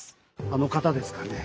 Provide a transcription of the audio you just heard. あの方ですかね。